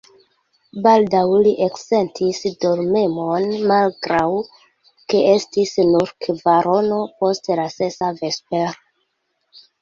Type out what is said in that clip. Baldaŭ li eksentis dormemon, malgraŭ ke estis nur kvarono post la sesa vespere.